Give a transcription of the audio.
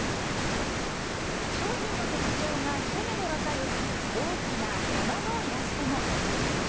商品の特徴が一目で分かる大きな釜のイラストも。